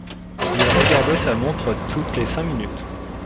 Il regardait sa montre toutes les cinq minutes.